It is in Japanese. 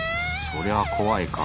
そりゃ怖いか。